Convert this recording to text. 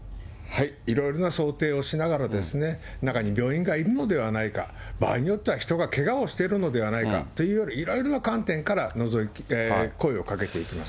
いろいろな想定をしながらですね、中に病人がいるのではないか、場合によっては人がけがをしているのではないかというように、いろいろの観点から声をかけていきます。